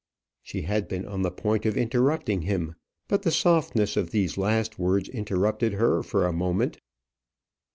She had been on the point of interrupting him, but the softness of these last words interrupted her for a moment.